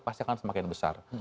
pasti akan semakin besar